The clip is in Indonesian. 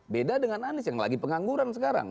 beda dengan anies yang lagi pengangguran sekarang